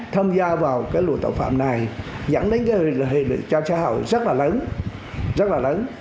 tham gia vào cái lùa tàu phạm này dẫn đến cái hệ lực cho xã hội rất là lớn rất là lớn